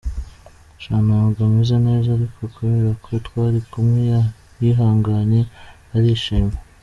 Sha ntabwo ameze neza ariko kubera ko twari kumwe yihanganye arishima.